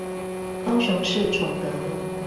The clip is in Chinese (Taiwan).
高雄市崇德路